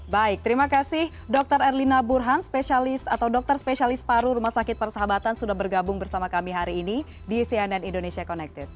baik terima kasih dr erlina burhan dokter spesialis paru rumah sakit persahabatan sudah bergabung bersama kami hari ini di cnn indonesia connected